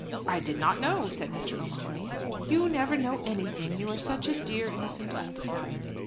"I did not know," said Mr. O'Mahony. "You never know anything, you are such a dear, innocent old father."